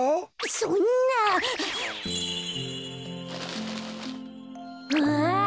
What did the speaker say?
そんな！わ。